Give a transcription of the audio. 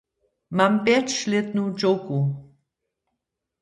Mam pjećlětnu dźowku.